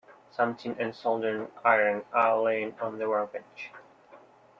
Some tin and a soldering iron are laying on the workbench.